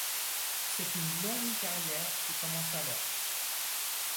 C’est une longue carrière qui commence alors.